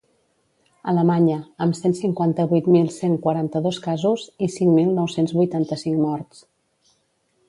Alemanya, amb cent cinquanta-vuit mil cent quaranta-dos casos i cinc mil nou-cents vuitanta-cinc morts.